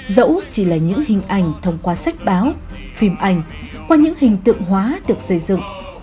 dẫu chỉ là những hình ảnh thông qua sách báo phim ảnh qua những hình tượng hóa được xây dựng